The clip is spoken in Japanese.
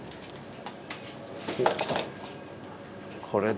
おっきた。